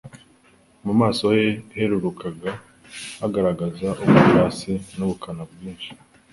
mu maso he heruruka hagaragazaga ubwirasi n’ubukana bwinshi.